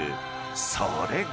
［それが］